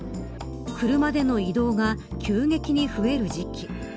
車での移動が急激に増える時期。